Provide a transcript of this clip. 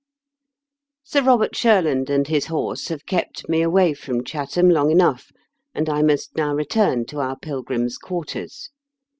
Sir Robert Shurland and his horse have kept me away from Chatham long enough, and I must now return to our pilgrims' quarters.